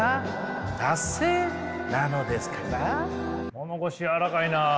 物腰柔らかいな。